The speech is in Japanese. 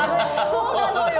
そうなのよ。